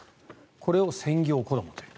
これを専業子どもと言う。